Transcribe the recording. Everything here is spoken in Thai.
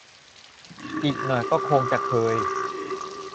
อีกหน่อยก็คงจะเคย